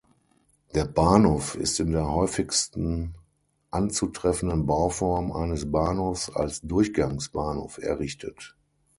Der Bahnhof ist in der häufigsten anzutreffenden Bauform eines Bahnhofs als Durchgangsbahnhof errichtet.